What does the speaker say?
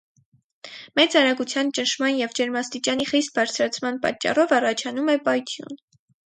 Մեծ արագության ճնշման և ջերմաստիճանի խիստ բարձրացման պատճառով առաջանում է պայթյուն։